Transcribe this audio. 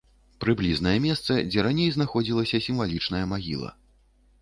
Прыблізнае месца, дзе раней знаходзілася сімвалічная магіла.